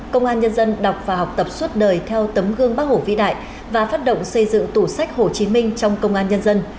công an nhân dân đọc và học tập suốt đời theo tấm gương bác hổ vĩ đại và phát động xây dựng tủ sách hồ chí minh trong công an nhân dân